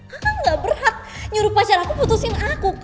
kaka gak berhak nyuruh pacar aku putusin aku kak